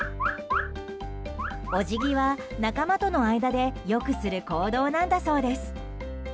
お辞儀は仲間との間でよくする行動なんだそうです。